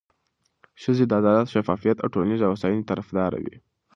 ښځې د عدالت، شفافیت او ټولنیزې هوساینې طرفداره وي.